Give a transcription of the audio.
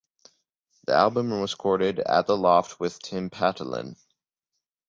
The album was recorded at The Loft with Tim Patalan.